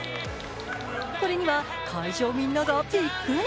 これには会場みんながビックリ。